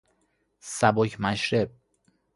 سبک مشرب